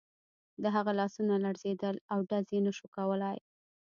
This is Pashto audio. د هغه لاسونه لړزېدل او ډز یې نه شو کولای